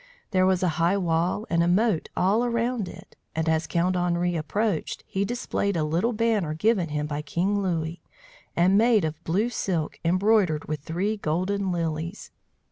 There was a high wall and a moat all around it, and as Count Henri approached, he displayed a little banner given him by King Louis, and made of blue silk embroidered with three golden lilies.